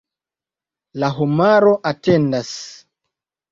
La homaro atendas.